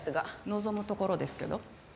望むところですけど。